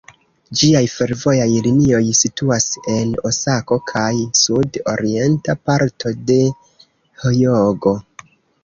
Ĝiaj fervojaj linioj situas en Osako kaj sud-orienta parto de Hjogo.